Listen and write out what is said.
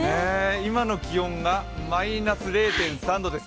今の気温がマイナス０．３度です